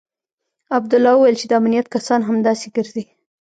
عبدالله وويل چې د امنيت کسان همداسې ګرځي.